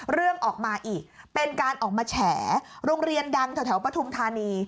เรื่องออกมาอีกเป็นการออกมาแฉโรงเรียนดังแถวปฐุมธานี